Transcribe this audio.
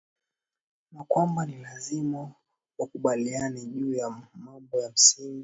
na kwamba ni lazima wakubaliane juu ya mambo ya msingi